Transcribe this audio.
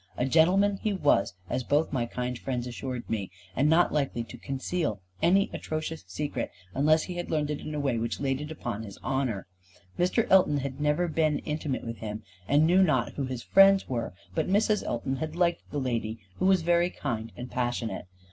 A gentleman he was, as both my kind friends assured me, and not likely to conceal any atrocious secret, unless he had learned it in a way which laid it upon his honour. Mr. Elton had never been intimate with him, and knew not who his friends were, but Mrs. Elton had liked the lady who was very kind and passionate.